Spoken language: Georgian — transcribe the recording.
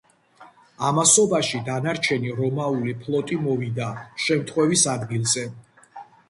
ამასობაში დანარჩენი რომაული ფლოტი მოვიდა შემთხვევის ადგილზე.